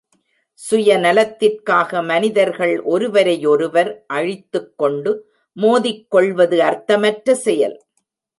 சுய நலத்திற்காக மனிதர்கள் ஒருவரையொருவர் அழித்துக்கொண்டு மோதிக்கொள்வது அர்த்தமற்ற செயல்.